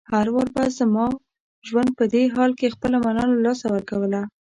هر وار به زما ژوند په دې حال کې خپله مانا له لاسه ورکوله.